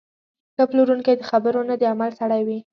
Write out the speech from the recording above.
ښه پلورونکی د خبرو نه، د عمل سړی وي.